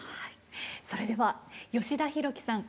それでは吉田ひろきさん